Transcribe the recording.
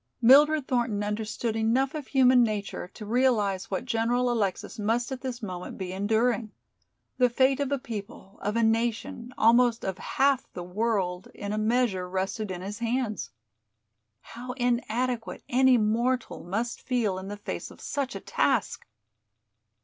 Mildred Thornton understood enough of human nature to realize what General Alexis must at this moment be enduring. The fate of a people, of a nation, almost of half the world, in a measure rested in his hands. How inadequate any mortal must feel in the face of such a task!